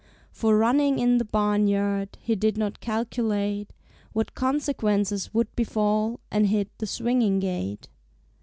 For, running in the barnyard, He did not calculate What consequences would befall, And hit the swinging gate.